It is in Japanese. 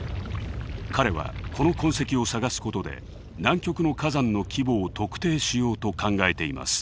彼はこの痕跡を探すことで南極の火山の規模を特定しようと考えています。